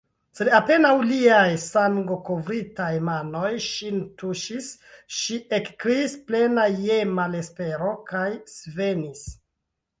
Sed apenaŭ liaj sangokovritaj manoj ŝin tuŝis, ŝi ekkriis, plena je malespero, kaj svenis.